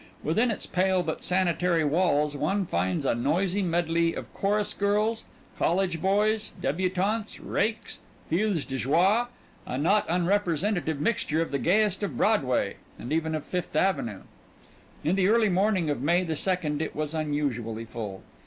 Within its pale but sanitary walls one finds a noisy medley of chorus girls, college boys, débutantes, rakes, filles de joie a not unrepresentative mixture of the gayest of Broadway, and even of Fifth Avenue. In the early morning of May the second it was unusually full.